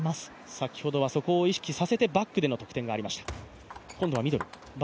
先ほどはそこを意識させてバックでの得点がありました。